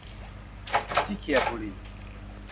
ที่เขี่ยบุหรี่